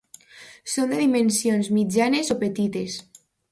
Són de dimensions mitjanes o petites.